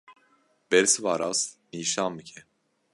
Bersiva rast nîşan bike.